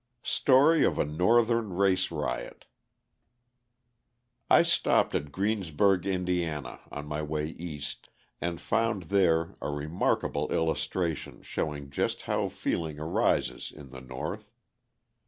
Story of a Northern Race Riot I stopped at Greensburg, Ind., on my way East and found there a remarkable illustration showing just how feeling arises in the North.